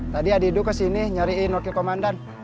tadi adidu kesini nyariin wakil komandan